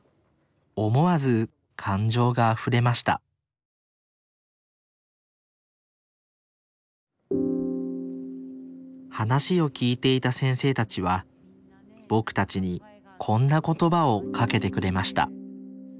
思わず感情があふれました話を聞いていた先生たちはぼくたちにこんな言葉をかけてくれました